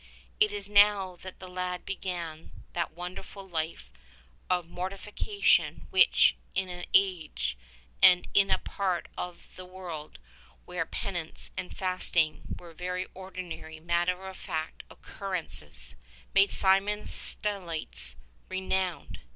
It is now that the lad began that wonderful life of morti fication which in an age and in a part of the world where penance and fasting were very ordinary matter of fact occur rences, made Simeon Stylites renowned.